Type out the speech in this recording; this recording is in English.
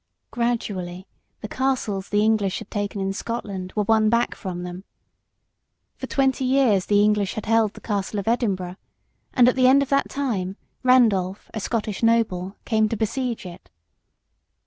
Gradually the castles the English had taken in Scotland were won back from them. For twenty years the English had held the Castle of Edinburgh, and at the end of that time, Randolph, a Scottish noble, came to besiege it.